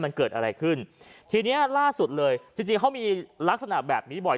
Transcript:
มันเกิดอะไรขึ้นทีเนี้ยล่าสุดเลยจริงจริงเขามีลักษณะแบบนี้บ่อย